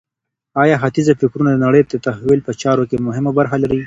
آیا ختیځه فکرونه د نړۍ د تحول په چارو کي مهمه برخه لري؟